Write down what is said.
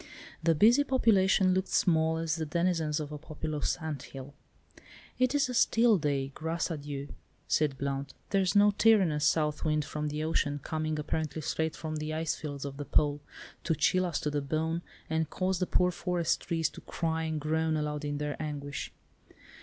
The busy population looked small as the denizens of a populous anthill. "It is a still day, 'Grâce à Dieu,'" said Blount; "there's no tyrannous south wind from the ocean—coming apparently straight from the ice fields of the Pole, to chill us to the bone, and cause the poor forest trees to cry and groan aloud in their anguish.